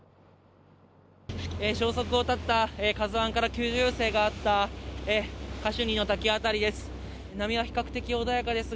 消息を絶ったカズワンから救助要請があったカシュニの滝辺りです。